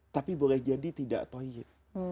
tapi boleh jadi tidak toyid